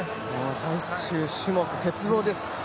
最終種目、鉄棒です。